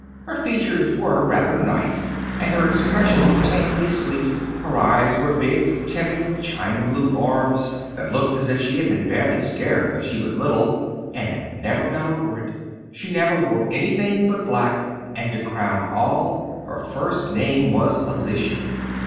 Her features were rather nice, and her expression tamely sweet; her eyes were big, timid, china blue orbs that looked as if she had been badly scared when she was little and had never got over it; she never wore anything but black, and, to crown all, her first name was Alicia.